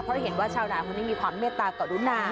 เพราะเห็นว่าชาวนาคนนี้มีความเมตตากรุณา